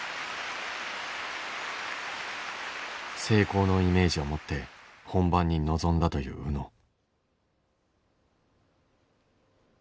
成功のイメージを持って本番に臨んだという宇野。